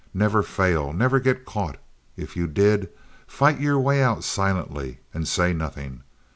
Never fail, never get caught. If you did, fight your way out silently and say nothing.